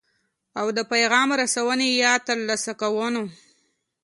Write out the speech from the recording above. او د پیغام رسونې یا ترلاسه کوونې.